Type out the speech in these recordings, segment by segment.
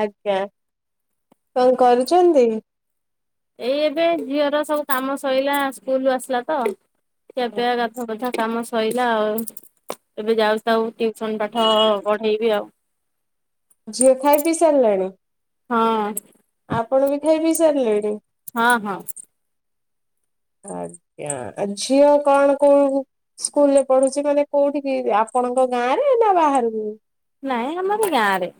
ଆଜ୍ଞା। କଣ କରୁଛନ୍ତି? ଏଇ ଏବେ ଝିଅର ସବୁ କାମ ସଇଲା ସ୍କୁଲୁରୁ ଆସିଲା ତ ଖିଆ ପିଆ ଗାଧୁଆ ପାଧୁଆ କାମ ସଇଲା ଆଉ, ଏବେ ଯାଉଛି ତାକୁ ଟୁଇସନ ପାଠ ପଢ଼େଇବି ଆଉ। ଝିଅ ଖାଇ ପିଇ ସାରିଲାଣି? ହଁ ଆପଣ ବି ଖାଇ ପିଇ ସାରିଲେଣି? ହଁ, ହଁ। ଆଜ୍ଞା, ଝିଅ କଣ କଉ ସ୍କୁଲ ରେ ପଢୁଛି ମାନେ କୋଉଠିକି ଆପଣଙ୍କ ଗାଁ ରେ ନା ବାହାରକୁ? ନାଇଁ ଆମର ଗାଁ ରେ।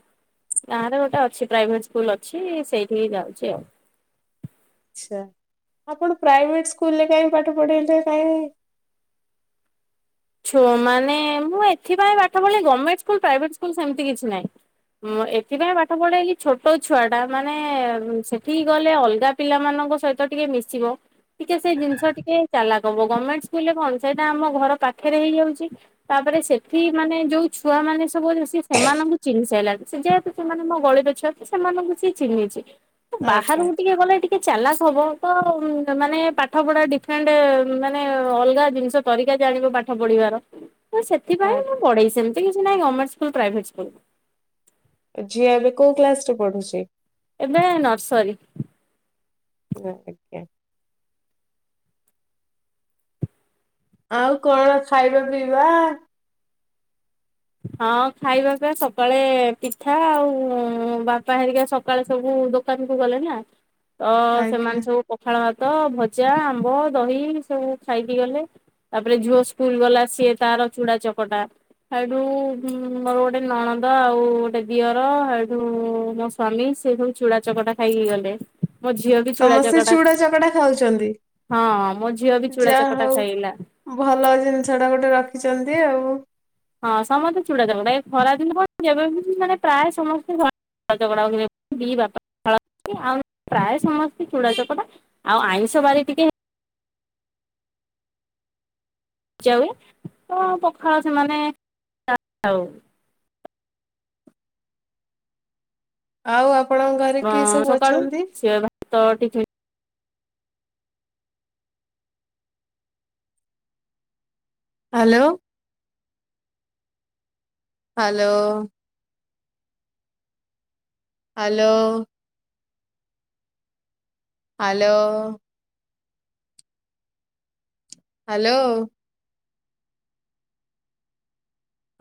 ଗାଁରେ ଗୋଟେ ଅଛି ପ୍ରାଇଭେଟ୍ ସ୍କୁଲଅଛି ସେଇଠି ହିଁ ଯାଉଛି ଆଉ। ଆଚ୍ଛା, ଆପଣ ପ୍ରାଇଭେଟ୍ ସ୍କୁଲରେ କାଇଁ ପାଠ ପଢ଼େଇଲେ କାଇଁ ଛୁଆମାନେ, ମୁଁ ଏଥିପାଇଁ ପାଠ ପଢେଇଲି ଗମେଣ୍ଟ ସ୍କୁଲ ପ୍ରାଇଭେଟ୍ ସ୍କୁଲ ସେମିତି କିଛି ନାହିଁ। ହଁ, ଏଥିପାଇଁ ପାଠ ପଢେଇଲି, ଛୋଟ ଛୁଆଟା ମାନେ ସେଠିକି ଗଲେ ଅଲଗା ପିଲାମାନଙ୍କ ସହିତ ଟିକେ ମିଶିବ ଟିକେ ସେଇ ଜିନିଷ ଟିକେ ଚାଲାକ ହବ, ଗମେଣ୍ଟ୍ ସ୍କୁଲରେ କଣ, ସେଇଟା ଆମ ଘର ପାଖରେ ହେଇଯାଉଚି ତାପରେ ସେଠି ମାନେ ଯୋଉ ଛୁଆ ମାନେ ସବୁ ଆ ସେମାନଙ୍କୁ ଚିହ୍ନି ସାଇଲାଣି, ସେ ଯେହେତୁ ସେମାନେ ମୋ ଗଳିର ଛୁଆ ସେମାନଙ୍କୁ ସିଏ ଚିହ୍ନିଛି, ତ ଆଜ୍ଞା ବାହାରକୁ ଟିକେ ଗଲେ ଟିକ୍ ଟିକେ ଚାଲାକ୍ ହବ, ତ ମାନେ ପାଠପଢା ଡିଫ୍ରେଣ୍ଟ୍ ମାନେ ଅଲଗା ଜିନିଷ ତରିକା ଜାଣିବ ପାଠ୍ ପାଠ ପଢିବାର, ତ ଆ ସେଥିପାଇଁ ମୁଁ ପଢେଇ, ସେମିତି କିଛି ନାହିଁ ଗମେଣ୍ଟ ସ୍କୁଲ୍ ପ୍ରାଇଭେଟ୍ ସ୍କୁଲ୍ ଝିଅ ଏବେ କୋଉ କ୍ଲାସରେ ପଢୁଛି? ଏବେ ନର୍ସରୀ ଆଜ୍ଞା। ଆଉ କଣ ଖାଇବା ପିଇବା? ହଁ ଖାଇବା ପିଇବା, ସକାଳେ ପିଠା ଆଉ ବାପା ହେରିକା ସକ୍ ସକାଳେ ସବୁ ଦୋକାନକୁ ଗଲେ ନା, ତ ଆଜ୍ଞା ସେମାନେ ସବୁ ପ୍ - ପଖାଳ ଭାତ, ଭଜା, ଆମ୍ବ, ଦହି ସବୁ ଖାଇକି ଗଲେ। ତାପରେ ଝିଅ ସ୍କୁଲଗଲା ସିଏ ତାର ଚୁଡା ଚକଟା ଠୁ ମୋର ଗୋଟେ ନଣଦ ଆଉ ଗୋଟେ ଦିଅର ହେଇଠୁ ମୋ ସ୍ ସ୍ଵାମୀ ସେ ସବୁ ଚୁଡ଼ା ଚକଟା ଖାଇକି ଗଲେ, ମୋ ଝିଅ ବି ଚୁଡ଼ା ସମସ୍ତେ ଚକଟା ଚୁଡା ଚକଟା ଖାଉଛନ୍ତି ହଁ, ମୋ ଝିଅ ବି ଚୁଡ଼ା ଯାହା ଚକଟା ହଉ ଖାଇଲା। ଭଲ ଜିନିଷଟା ଗୋଟେ ରଖିଚନ୍ତି ଆଉ ହଁ ସମସ୍ତେ ଚୁଡ଼ା ଚକଟା, ଏ ଖରାଦିନ କଣ, ଯେବେବି ମାନେ ପ୍ରାୟ ସମସ୍ତେ ଘ ଚୁଡ଼ା ଚକାଡା ହୁଏ, [unintelligible] ବାପା ପଖାଳ ଖାଆନ୍ତି ଆଉ ପ୍ରାୟ ସମସ୍ତେ ଚୁଡ଼ା ଚକଡ଼ା ଆଉ ଆଇଁଷ ବାରି ଟିକେ ଯାଉ, ତ ପଖାଳ ସେମାନେ [unintelligible] ଆଉ ଆପଣଙ୍କ ଘରେ କିଏ ସବୁ ଅଛନ୍ତି? ତ ଟିକେ hello. Hello. Hello. Hello. Hello.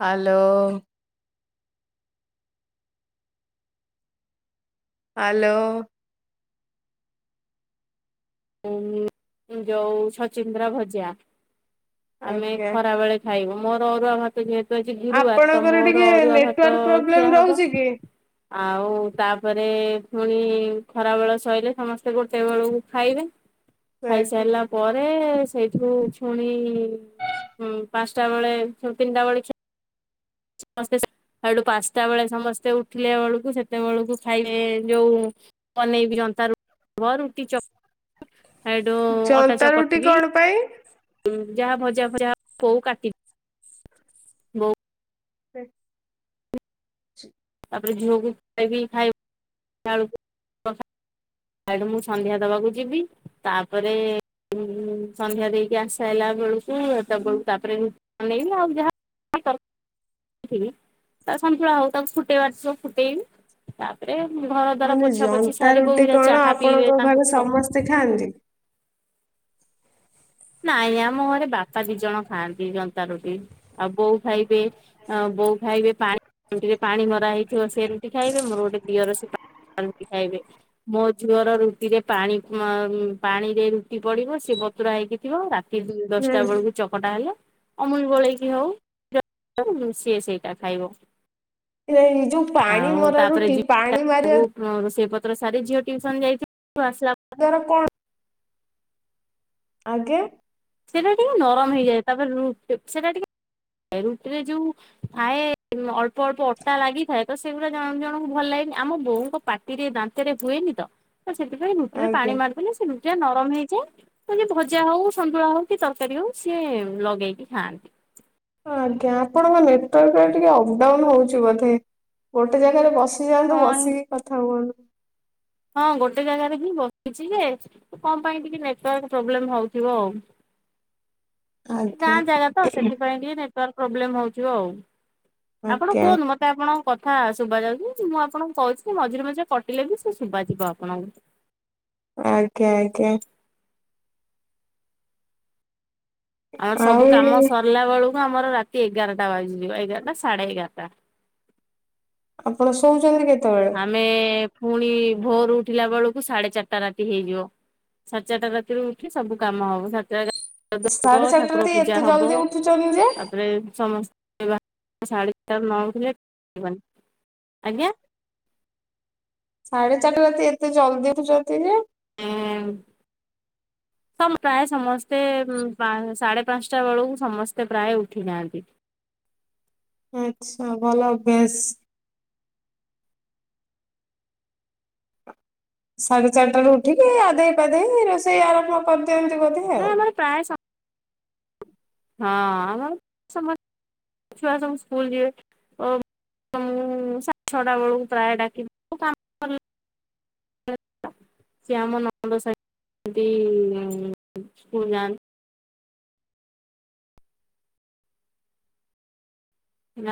Hello. Hello. ଉ ଯୋଉ ଛଚିନ୍ଦ୍ରାଭଜା, ଆମେ ଆଜ୍ଞା। ଖରା ବେଳେ ଖାଇବୁ ମୋର ଅରୁଆ ଭାତ ଯେହେତୁ ତ ଆଜି ଗୁରୁବାର, ତ ଆପଣଙ୍କର ଟିକେ ମୋର ଅରୁଆ ଭାତ ନେଟୱାର୍କ ପ୍ରୋବ୍ଲେମ ଖିଆ ହବ ରହୁଛି କି? ଆଉ ତାପରେ ପୁଣି ଖରାବେଳ ସଇଲେ ସମସ୍ତେ ଗୋଟେ ବେଳକୁ ଖାଇବେ ଆଜ୍ଞା ଖାଇସାଇଲା ପରେ ସେଇଠୁ ଛୁଣି, ପାଞ୍ଚଟାବେଳେ ତିନିଟାବେଳେ ଖି ସମସ୍ତେ [unintelligible] ସେଉଠୁ ପାଞ୍ଚଟା ବେଳେ ସମସ୍ତେ ଉଠିଲେ ବେଳକୁ ସେତେବେଳକୁ ଖାଇବେ ଯୋଉଁ ବନେଇବି ଯନ୍ତାରୁଟି ଥିବ, ରୁଟି ଚକଟି ସେଇଠୁ ଅଟା ଚକଟିବି ନାଇଁ ହଁ, ଯାହା ଭଜାଫଜା ବୋଉ କାଟି ବୋଉ [unintelligible] ତାପରେ ଝିଅକୁ ଖୁଆଇବି ଖାଇଲାବେଳକୁ ସେଠୁ ମୁଁ ସନ୍ଧ୍ୟା ଦବାକୁ ଯିବି ତାପରେ ସନ୍ଧ୍ୟା ଦେଇକି ଆସି ସାରିଲା ବେଳକୁ ସେତବେଳକୁ ତାପରେ ବନେଇବି ଆଉ ଯାହା। ଫୁଟେଇବି ତା ସନ୍ତୁଳା ହଉ ତାକୁ ଫୁଟେଇବାର ଥିବ ଫୁଟେଇବି। ତାପରେ ଘର ଦ୍ଵାର ମାନେ ପୋଛା ପୋଛି ଜନ୍ତା ସାରି ବୋଉ ଘରିକା ଚାହା ପିଇବେ ତାଙ୍କୁ ଚାହା ସେ ଖାଆନ୍ତି। ନାଇଁ ଆମ ଘରେ ବାପା ଦି ଜଣ ଖାଆନ୍ତି ଜନ୍ତା ରୁଟି ଆଉ ବୋଉ ଖାଇବେ ଆଉ ବୋଉ ଖାଇବେ ପାଣି ରୁଟିରେ ପାଣି ମରା ହେଇଥିବ ସେ ରୁଟି ଖାଇବେ ମୋର ଗୋଟେ ଦିଅର ସେ ପା ପାରୁଟି ଖାଇବେ। ମୋ ଝିଅର ରୁଟିରେ ପାଣି ପାଣି ରେ ରୁଟି ପଡିବ ସେ ବତୁରା ହେଇକି ଥିବ। ରାତି ଦଶଟା ବେଳକୁ ଚ କଟା ହେଲେ ଅମୁଲ ଗୋଳେଇକି ହଉ ସିଏ ସେଇଟା ଖାଇବ। ଏଇ ଯୋଉ ପାଣି ମରା ରୁଟି ପାଣି ମାରିବା ଦ୍ୱା ରୋଷେଇପତ୍ର ସାରି ଝିଅ ଟ୍ୟୁସନ ଯାଇଥିବ ଆସିଲା ତାର କଣ? ଆଜ୍ଞା। ସେଇଟା ଟିକେ ନରମ ହେଇଯାଏ ତାପରେ ରୁଟି ସେଟା ଟିକେ ରୁଟିରେ ଯୋଉ ଥାଏ ଅଳ୍ପ ଅଳ୍ପ ଅଟା ଲାଗିଥାଏ ତ ସେଗୁଡା ଜଣ ଜଣଙ୍କୁ ଭଲ ଲାଗେନି ଆମ ବୋଉଙ୍କ ପାଟି ପାଟିରେ ଦାନ୍ତରେ ହୁଏନି ତ। ତ ସେଥିପାଇଁ ରୁଟି ରେ ପାଣି ଆଜ୍ଞା ମାରିଦେଲେ ସେ ରୁଟି ଟା ନରମ ହେଇଯାଏ। ସେ ଭଜା ହଉ ସନ୍ତୁଳା ହଉ କି ତରକାରୀ ହଉ ସିଏ ଲଗେଇକି ଖାଆନ୍ତି। ଆଜ୍ଞା ଆପଣଙ୍କ ନେଟାୱାର୍କ ଟିକେ ଅପ୍ ଡାଉନ୍ ହଉଛି ବୋଧେ ଗୋଟେ ଜାଗାରେ ବସି ଗୋଟେ ଯାଗାରେ ବସିକି କଥା ହୁଅନ୍ତୁ ହଁ। ବସିକି କଥା ହୁଅନ୍ତୁ। ହଁ ଗୋଟେ ଜାଗାରେ ହି ବସିଛି ଯେ କଣ ପାଇଁ ଟିକେ ନେଟୱାର୍କ ପ୍ରୋବ୍ଲେମ ହଉଥିବ ଆଉ। ଏ ଗାଁ ଆଜ୍ଞା। ଜାଗା ତ ସେଥିପାଇଁ ଟିକେ ନେଟୱାର୍କ ପ୍ରୋବ୍ଲେମ ହଉଥିବ ଆଉ ଆପଣ ଆଜ୍ଞା କୁହନ୍ତୁ ମତେ ତା ଆପଣଙ୍କ କଥା ଶୁଭା ଯାଉଛି। ମୁଁ ଆପଣଙ୍କୁ କହୁଛି ମଝିରେ ମଝିରେ କଟିଲେ ବି ସେ ଶୁଭାଯିବ ଆପଣଙ୍କୁ। ଆଜ୍ଞା ଆଜ୍ଞା। ଆମର ସବୁ ଆଉ କାମ ସରିଲା ବେଳକୁ ଆମର ରାତି ଏଗାରଟା ବାଜିଯିବ ଏଗାରଟା ସାଢେ ଏଗାରଟା। ଆପଣ ଶୋଉଚନ୍ତି କେତେବେଳେ? ଆମେ ପୁଣି ଭୋରୁ ଉଠିଲା ବେଳକୁ ସାଢେ ଚାରିଟା ରାତି ହେଇଯିବ। ସାଢେ ଚାରିଟା ରାତିରୁ ଉଠି ସବୁ କାମ ହବ ସାଢେ ଚାରିଟା ହବ ସାଢେ ଚାରିଟା ଠାକୁର ରାତି ପୂଜା ଏତେ ହବ ଜଲଦି ଉଠୁଛନ୍ତି ଯେ ତାପରେ ସମସ୍ତେ [unintelligible] ଆଜ୍ଞା। ସାଢେ ଚାରିଟା ରାତି ଏତେ ଜଲ୍ଦି ଉଠୁଚନ୍ତି ଯେ? ହୁଁ। [unintelligible] ତ ପ୍ରାୟ ସମସ୍ତେ ପା ସାଢେ ପାଞ୍ଚଟା ବେଳକୁ ସମସ୍ତେ ପ୍ରାୟ ଉଠି ଯଆନ୍ତି। ଆଚ୍ଛା ଭଲ ଅଭ୍ୟାସ। ସାଢେ ଚାରିଟାରୁ ଉଠିକି ଗାଧେଇ ପାଧେଇ ରୋଷେଇ ଆରମ୍ଭ କରିଦିଅନ୍ତି ବୋଧେ। ନା ଆଉ। ଆମର ପ୍ରାୟ ସ ହଁ ଆମର ସମସ୍ତ ଛୁଆ ସବୁ ସ୍କୁଲ ଯିବେ ମୁଁ ସାଢେ ଛଅଟା ବେଳକୁ ପ୍ରାୟ ଡାକିଦିଏ। ସିଏ -ଆମ -ନଣନ୍ଦ -ସହିତ -ସ୍କୁଲ -ଯାଆନ୍ତି।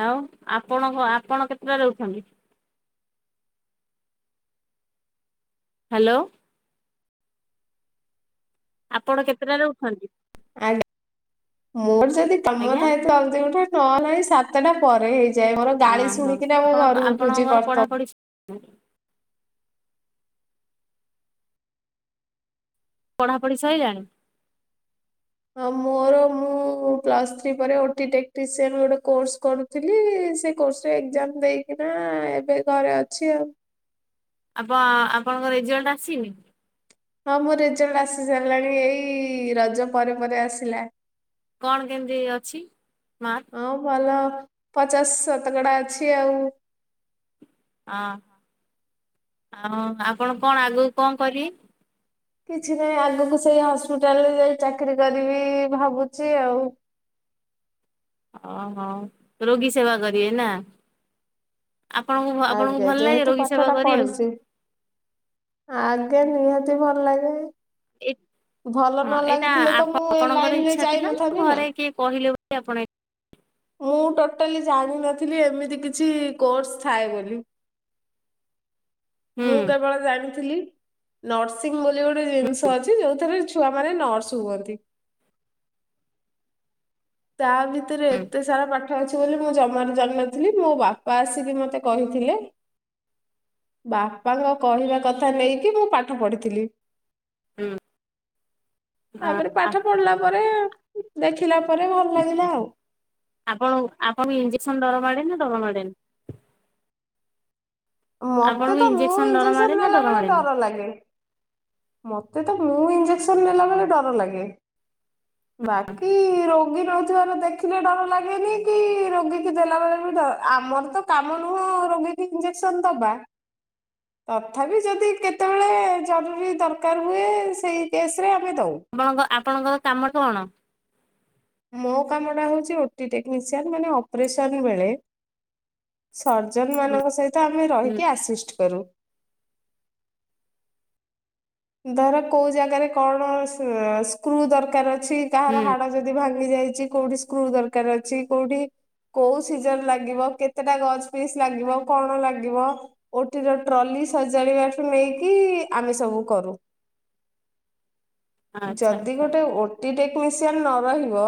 ଆଉ ଆପଣ ଆପଣ କେତେଟା ରେ ଉଠନ୍ତି? ହ୍ୟାଲୋ। ଆପଣ କେତେଟା ରେ ଉଠନ୍ତି? ଆଜ୍ଞା। ମୋର ଯଦି କାମ ଆଜ୍ଞା ଥାଏ ତ ଜଲ୍ଦି ଉଠେ। ନ ହେଲେ ନାହିଁ ସାତଟା ପରେ ହେଇ ଯାଏ। ମୋର ଗାଳି ଓହୋ ଶୁଣିକିନା ମୁଁ ଘରୁ ଉଠୁଛି [unintelligible] ହୁଁ। ପଢ଼ାପଢ଼ି ସଇଲାଣି? ହଁ ମୋର ମୁଁ ପ୍ଲସ୍ ଥ୍ରୀ ପରେ ଓଟି ଟେକ୍ନିସିଆନ୍ ଗୋଟେ କୋର୍ସ କରୁଥିଲି ସେ କୋର୍ସରେ ଏକ୍ଜାମ ଦେଇ ନା ଏବେ ଘରେ ଅଛି ଆଉ। ଆପ ଆପଣଙ୍କ ରେଜଲ୍ଟ ଆସିନି? ହଁ ମୋ ରେଜଲ୍ଟ ଆସି ସାରିଲାଣି ଏଇ ରଜ ପରେ ପରେ ଆସିଲା। କଣ କେମିତି ଅଛି ମାର୍କ? ହଁ ଭଲ ପଚାଶ ଶତକଡା ଅଛି ଆଉ। ହଁ ଆଉ ଆପଣ କଣ ଆଗକୁ କଣ କରିବେ? କିଛି ନାହିଁ ଆଗକୁ ସେଇ ହସ୍ପିଟାଲରେ ଯାଇ ଚାକିରି କରିବି ଭାବୁଛି ଆଉ। ଅହୋ ରୋଗୀ ସେବା କରିବେ ନା? ଆପଣଙ୍କୁ ଆପଣଙ୍କୁ ଆଜ୍ଞା ଭଲ ଲାଗେ ଯେହେତୁ ରୋଗୀ ପାଠ ସେବା ଟା କରିବାକୁ? ପଢିଛି ଆଜ୍ଞା ନିହାତି ଭଲ ଲାଗେ। ଭଲ ହଁ ନ ଏଇଟା ଲାଗିଥିଲେ ତ ମୁଁ ଏ ଆପଣଙ୍କର ଲାଇନରେ ଇଚ୍ଛା ଥିଲା ନା ଯାଇନଥାନ୍ତି ଘରେ କିଏ କହିଲେ ବୋଲି ଆପଣ ଏ ମୁଁ ଟୋଟାଲି ଜାଣିନଥିଲି ଏମିତି କିଛି କୋର୍ସ ଥାଏ ବୋଲି। ହୁଁ ମୁଁ କେବଳ ଜାଣିଥିଲି ନର୍ସିଂ ମୁ ଗୋଟେ ଜିନିଷ ଅଛି ଯୋଉଥିରେ ଛୁଆ ମାନେ ନର୍ସ ହୁଅନ୍ତି। ତା ଭିତରେ ଏତେ ସାରା ପାଠ ଅଛି ବୋଲି ମୁଁ ଜମାରୁ ଜାଣିନଥିଲି ମୋ ବାପା ଆସିକି ମତେ କହିଥିଲେ। ବାପାଙ୍କ କହିବା କଥା ନେଇକି ମୁଁ ପାଠ ପଢିଥିଲି। ହୁଁ ତାପରେ ପାଠ ପଢିଲା ପରେ ଦେଖିଲା ପରେ ଭଲ ଲାଗିଲା ଆଉ। ଆପଣ ଆପଣଙ୍କୁ ଇଞ୍ଜେକ୍ସନ୍ ଡରମାଡେ ନା ଡରମାଡେନି? ମତେ ଆପଣଙ୍କୁ ତ ମୁଁ ଇଞ୍ଜେକ୍ସନ ଡର ମାଡେ ଇଞ୍ଜେକ୍ସନ୍ ନା ନେଲା ବେଳେ ମାଡେନି? ଡର ଲାଗେ। ମୋତେ ତ ମୁଁ ଇଞ୍ଜେକ୍ସନ ନେଲା ବେଳେ ଡର ଲାଗେ। ବାକି ରୋଗୀ ନଉଥିବାର ଦେଖିଲେ ଡର ଲାଗେନି କି ରୋଗୀ କି ଦେଲାବେେଳେ ବି ଡର ଆମର ତ କାମ ନୁହଁ ରୋଗୀକୁ ଇଞ୍ଜେକ୍ସନ ଦବା ତଥାପି ଯଦି କେତେବେଳେ ଜରୁରୀ ଦରକାର ହୁଏ ସେଇ କେସ୍ ରେ ଆମେ ଦଉ। ଆପଣଙ୍କ ଆପଣଙ୍କର କାମ କଣ? ମୋ କାମଟା ହଉଛି ଓଟି ଟେକ୍ନିସିଆନ୍ ମାନେ ଅପରେସନ୍ ବେଳେ ସର୍ଜନ ହୁଁ ମାନଙ୍କ ସହିତ ଆମେ ହୁଁ ରହିକି ଆସିଷ୍ଟ କରୁ। ଧର କୋଉ ଜାଗାରେ କଣ ସ୍କ୍ରୁ ଦରକାର ଅଛି ହୁଁ କାହାର ହାଡ ଯଦି ଭାଙ୍ଗି ଯାଇଛି କୋଉଠି ସ୍କ୍ରୁ ଦରକାର ଅଛି କୋଉଠି କୋଉ ସିଜନ ଲାଗିବ କେତେଟା ଗଛ ପିସ୍ ଲାଗିବ କଣ ଲାଗିବ ଓଟିର ଟ୍ରଲି ସଜାଡିବାଠୁ ନେଇକି ଆମେ ସବୁ କରୁ। ଆଚ୍ଛା ଯଦି ଆଚ୍ଛା ହଁ ଗୋଟେ ଓ ଓଟି ଟେକ୍ନିସିଆନ ନ ରହିବ,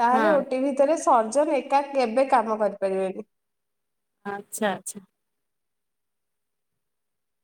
ତାହେଲେ ଓଟି ଭିତରେ ସେ ଫର୍ଜର ଏକା କେବେ କାମ କରିପାରିବେନି। ଆଚ୍ଛା ଆଚ୍ଛା।